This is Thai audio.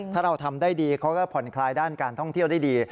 ถ้าเราทำได้ดีเขาก็ผ่อนคลายด้านการท่องเที่ยวได้ดี